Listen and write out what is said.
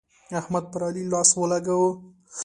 احمد پر علي لاس ولګاوو.